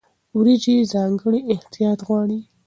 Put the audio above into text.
وریجې ځانګړی احتیاط غواړي.